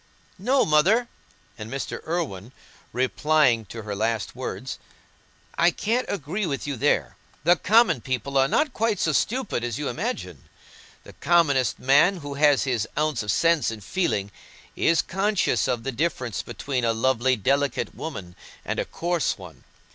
"No, Mother," and Mr. Irwine, replying to her last words; "I can't agree with you there. The common people are not quite so stupid as you imagine. The commonest man, who has his ounce of sense and feeling, is conscious of the difference between a lovely, delicate woman and a coarse one.